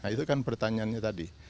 itu kan pertanyaannya tadi